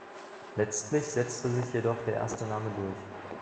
Letztlich setzte sich jedoch der erste Name durch.